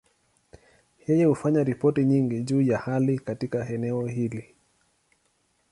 Yeye hufanya ripoti nyingi juu ya hali katika eneo hili.